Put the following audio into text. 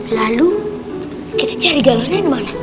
lalu kita cari galonnya dimana